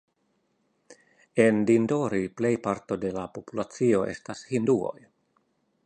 En Dindori plejparto de la populacio estas hinduoj.